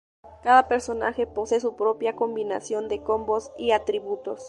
Cada personaje posee su propia combinación de combos y atributos.